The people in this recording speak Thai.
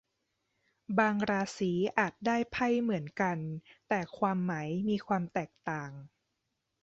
บางราศีอาจได้ไพ่เหมือนกัน แต่ความหมายมีความแตกต่าง